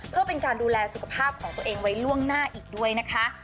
เพื่อเป็นการดูแลสุขภาพของตัวเองไว้ล่วงหน้าอีกด้วยนะคะ